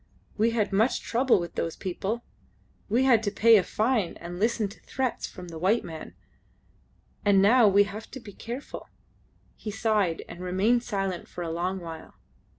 We had much trouble with those people. We had to pay a fine and listen to threats from the white men, and now we have to be careful." He sighed and remained silent for a long while.